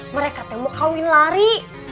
mereka teh mau kawin lari